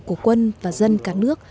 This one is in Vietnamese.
của quân và dân cả nước